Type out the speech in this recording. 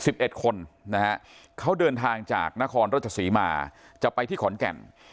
เอ็ดคนนะฮะเขาเดินทางจากนครราชสีมาจะไปที่ขอนแก่น